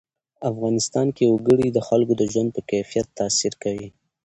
افغانستان کې وګړي د خلکو د ژوند په کیفیت تاثیر کوي.